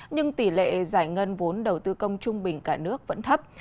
nhưng tỷ lệ giải ngân vốn đầu tư công trung bình cả nước vẫn thấp